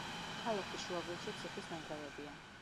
ქალაქის შუაგულში ციხის ნანგრევებია.